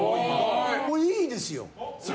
もう、いいですよ。